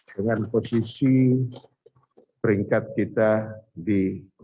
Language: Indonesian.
dengan posisi peringkat kita di empat puluh tiga